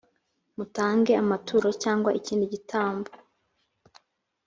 mutange amaturo cyangwa ikindi gitambo